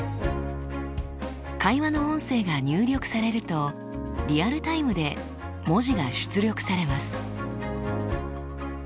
会話の音声が入力されるとリアルタイムで文字が出力されます。